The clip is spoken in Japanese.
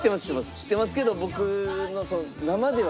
知ってますけど僕。